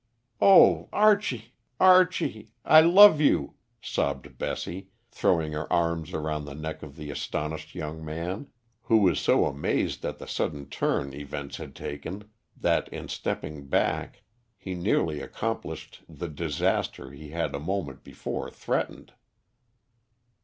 "Oh, Archie, Archie, I love you!" sobbed Bessie, throwing her arms around the neck of the astonished young man, who was so amazed at the sudden turn events had taken, that, in stepping back, he nearly accomplished the disaster he had a moment before threatened.